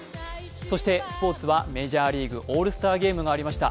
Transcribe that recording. そしてスポーツはメジャーリーグオールスターゲームがありました。